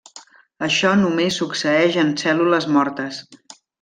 Això només succeeix en cèl·lules mortes.